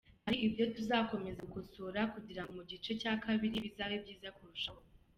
Hari ibyo tuzakomeza gukosora kugira ngo mu gice cya kabiri bizabe byiza kurushaho.